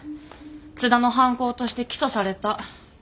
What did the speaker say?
津田の犯行として起訴された。